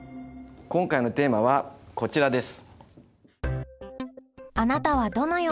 今回のテーマはこちらです！